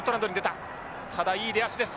ただいい出足です。